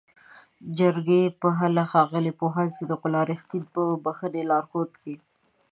جرګې په هکله ښاغلي پوهاند صدیق الله "رښتین" په پښتني لارښود کې